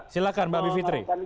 silahkan mbak bivitri